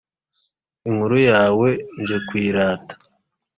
Inkuru yawe nje kuyirata.